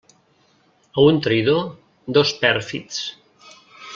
A un traïdor, dos pèrfids.